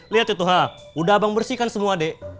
lihat ya tuhan udah abang bersihkan semua adek